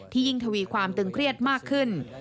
ยิ่งทวีความตึงเครียดมากขึ้น